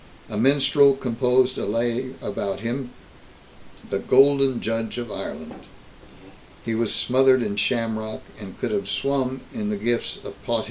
A minstrel composed a lay about him, "The Golden Judge of Ireland"; he was smothered in shamrock, and could have swum in the gifts of potheen.